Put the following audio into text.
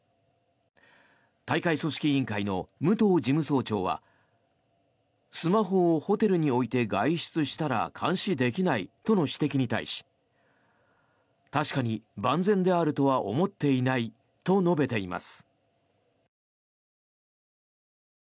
大会組織委員会の武藤事務総長はスマホをホテルに置いて外出したら監視できないとの指摘に対し確かに万全であるとは思っていないと述べています。